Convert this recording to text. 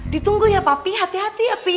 ditunggu ya papi hati hati ya pi